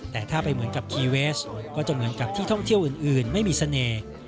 แต่ถ้าไปเหมือนกับคีเวสก็จะเหมือนกับที่ท่องเที่ยวอื่นไม่มีเสน่ห์